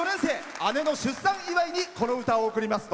姉の出産祝に、この歌を贈ります。